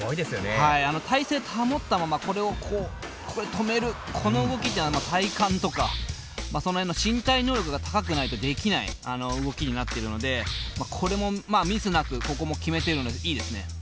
はい体勢保ったままこれをこうここで止めるこの動きっていうのは体幹とかその辺の身体能力が高くないとできない動きになっているのでこれもミスなくここも決めてるのでいいですね。